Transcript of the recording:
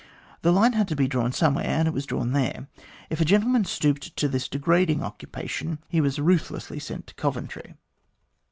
The line had to be drawn some where, and it was drawn there. If a gentleman stooped to this degrading occupation, he was ruthlessly sent to oventry.